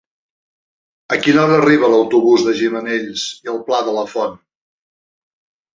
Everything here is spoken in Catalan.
A quina hora arriba l'autobús de Gimenells i el Pla de la Font?